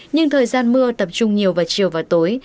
nhưng thời gian mưa tập trung nhiều vào chiều và tối